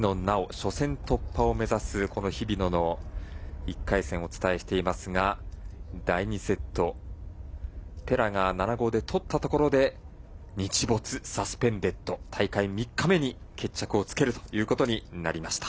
初戦突破を目指す日比野の１回戦をお伝えしていますが第２セットペラが７−５で取ったところで日没サスペンデッド大会３日目に決着をつけるということになりました。